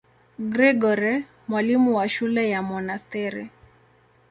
Gregori, mwalimu wa shule ya monasteri.